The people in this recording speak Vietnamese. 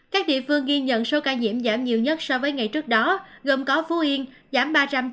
các địa phương ghi nhận số ca nhiễm giảm nhiều nhất so với ngày trước đó gồm có phú yên giảm ba trăm chín mươi tám